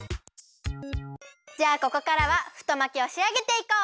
じゃあここからは太巻きをしあげていこう！